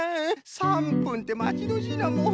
３ぷんってまちどおしいなもう。